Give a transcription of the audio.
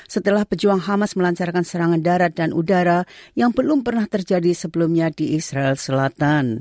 setelah pejuang hamas melancarkan serangan darat dan udara yang belum pernah terjadi sebelumnya di israel selatan